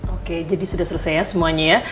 oke jadi sudah selesai ya semuanya ya